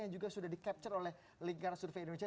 yang juga sudah di capture oleh lingkaran survei indonesia